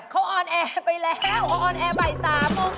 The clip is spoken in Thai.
เขาออนแอร์ไปแล้วเขาออนแอร์บ่าย๓โมง